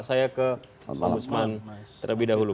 saya ke ombudsman terlebih dahulu